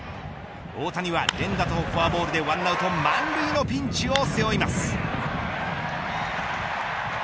大谷は連打とフォアボールで１アウト満塁のピンチを背負います。